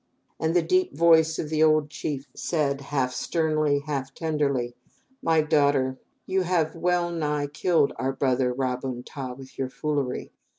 And the deep voice of the old chief said half sternly, half tenderly: "My daughter, you have wellnigh killed our brother Ra bun ta with your foolery.